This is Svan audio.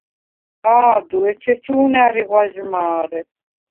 ა̄დუ, ეჩეჩუ̄ნ ა̈რი ღვაჟმა̄რე.